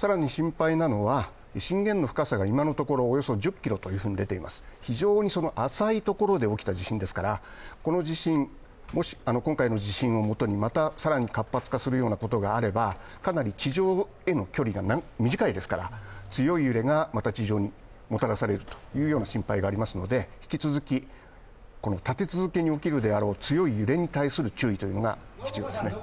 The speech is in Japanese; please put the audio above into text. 更に心配なのは震源の深さが今のところおよそ１０ｋｍというふうに出ています、非常に浅いところで起きた地震ですから今回の地震をもとにまた更に活発化するようなことがあればかなり地上への距離が短いですから、強い揺れがまた地上にもたらされるという心配がありますので引き続き、立て続けに起きるであろう強い揺れに対する注意が必要ですね。